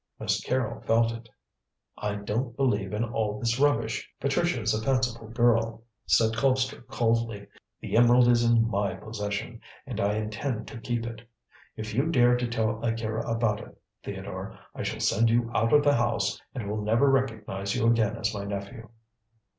Miss Carrol felt it." "I don't believe in all this rubbish. Patricia is a fanciful girl," said Colpster coldly. "The emerald is in my possession, and I intend to keep it. If you dare to tell Akira about it, Theodore, I shall send you out of the house and will never recognize you again as my nephew."